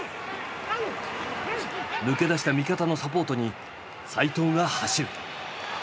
抜け出した味方のサポートに齋藤が走る。